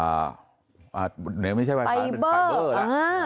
อ่าเหนือไม่ใช่ไฟล์เป็นไฟเบอร์